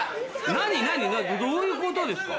何？どういうことですか？